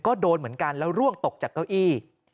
ก็โดนเหมือนกันแล้วร่วงตกจากเก้าอี้